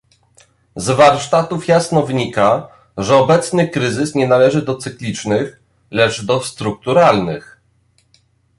Z warsztatów jasno wynika, że obecny kryzys nie należy do cyklicznych, lecz do strukturalnych